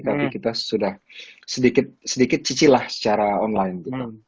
tapi kita sudah sedikit cici lah secara online